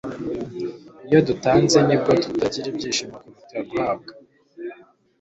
iyo dutanze ni bwo tugira ibyishimo kuruta guhabwa